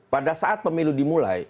pada saat pemilu dimulai